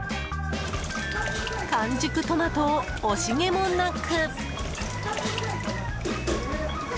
完熟トマトを、惜しげもなく。